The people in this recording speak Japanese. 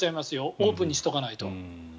オープンにしておかないと。